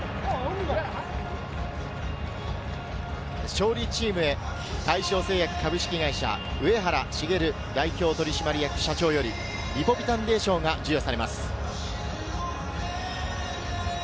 勝利チームへ、大正製薬株式会社・上原茂代表取締役社長よりリポビタンＤ賞が授与されます。